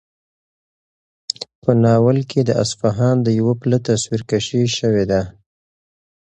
په ناول کې د اصفهان د یوه پله تصویرکشي شوې ده.